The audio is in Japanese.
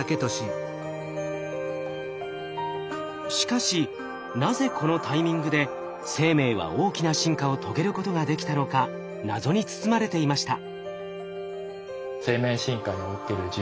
しかしなぜこのタイミングで生命は大きな進化を遂げることができたのか謎に包まれていました。